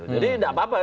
jadi tidak apa apa